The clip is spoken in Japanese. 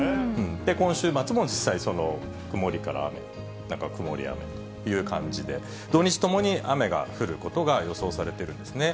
今週末も実際、曇りから雨、また曇り、雨という感じで、土日ともに雨が降ることが予想されてるんですね。